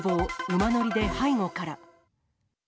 馬乗りで背後から。